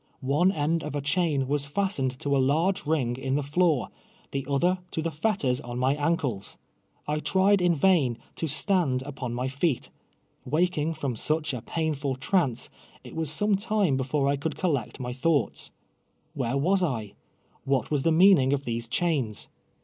One end of a chain was fastened to a lar^ e rin<j: in the floor, the other to the fetters on my ankles. I ti'ied in vain to stand upon my feet. AVakini; from such a ]>ainrul trance, it Mas some time before I could collect my thouglits. "Whei'e was 1^ AVhat was the meaning of these chains